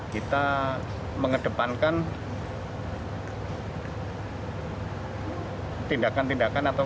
kita mengedepankan tindakan tindakan atau